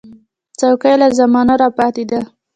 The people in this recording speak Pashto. چوکۍ له زمانو راپاتې ده.